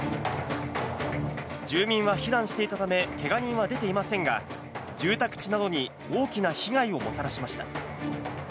住民は避難していたためけが人は出ていませんが、住宅地などに大きな被害をもたらしました。